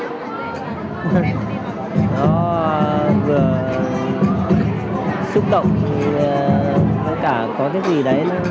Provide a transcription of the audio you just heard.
nó vừa xúc động vừa có cái gì đấy